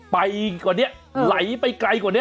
ไปกว่านี้ไหลไปไกลกว่านี้